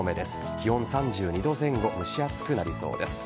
気温３２度前後蒸し暑くなりそうです。